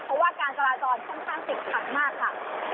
เพราะว่าการจราจรค่อนข้างติดขัดมากค่ะ